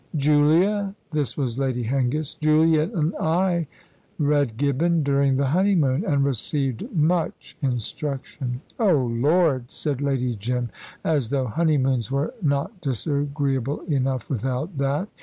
"Julia" this was Lady Hengist "Julia and I read Gibbon during the honeymoon, and received much instruction." "Oh, Lord!" said Lady Jim; "as though honeymoons were not disagreeable enough without that!"